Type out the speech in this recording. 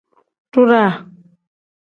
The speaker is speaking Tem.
Duuraa.